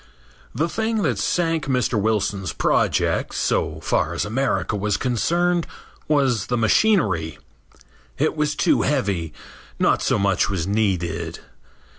The thing that sank Mr. Wilson's project, so far as America was concerned, was the machinery. It was too heavy. Not so much was needed.